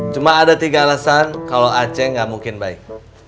cuma ada tiga alasan kalau aceh nggak mungkin baik